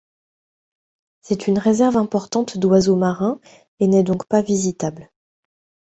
C'est une réserve importante d'oiseaux marins et n'est donc pas visitable.